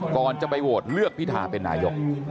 ก่อนจะไปโหวตเลือกพิธาเป็นนายก